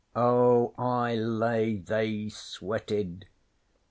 Oh, I lay they sweated!